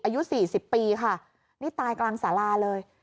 อายุสี่สิบปีค่ะนี่ตายกลางสาราเลย